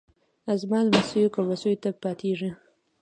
زما لمسیو کړوسیو ته پاتیږي